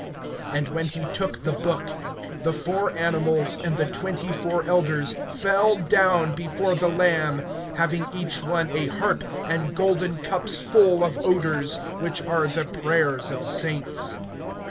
(8)And when he took the book, the four animals, and the twenty four elders, fell down before the Lamb, having each one a harp, and golden cups full of odors, which are the prayers of saints.